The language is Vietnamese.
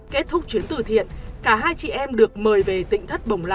kết thúc chuyến từ thiện cả hai chị em được mời về tịnh thất bồng lai chơi